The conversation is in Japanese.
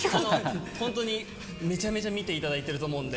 本当にめちゃめちゃ見ていただいてると思うんで。